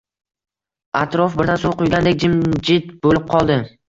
Atrof birdan suv quygandek jimjit bo`lib qoldi